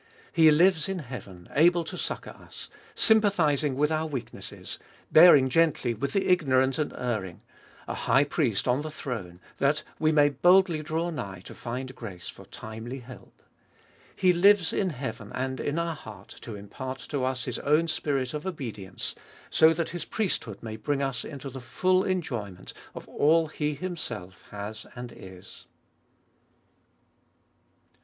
He lives in heaven, able to succour us ; sympathising with our weaknesses ; bearing gently with the ignorant and erring; a High Priest on the throne, that we may boldly draw nigh to find grace for timely help. He lives in heaven and in our heart, to impart to us His own spirit of obedience, so that His priesthood may bring us into the full enjoyment of all He Himself has and is.